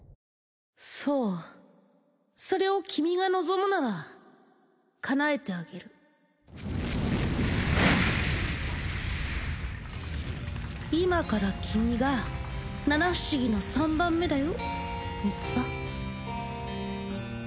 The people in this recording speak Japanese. そうそれを君が望むならかなえてあげる今から君が七不思議の三番目だよ